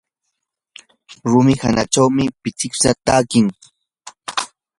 rumi hanachawmi pichiwsa takin.